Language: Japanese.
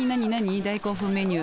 大興奮メニュー。